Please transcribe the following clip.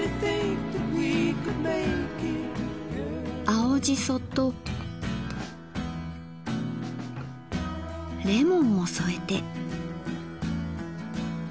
青じそとレモンも添えて。